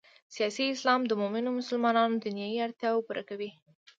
سیاسي اسلام د مومنو مسلمانانو دنیايي اړتیاوې پوره کوي.